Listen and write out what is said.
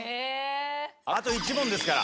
あと１問ですから。